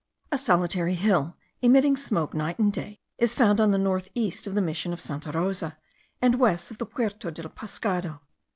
A solitary hill, emitting smoke night and day, is found on the north east of the mission of Santa Rosa, and west of the Puerto del Pescado.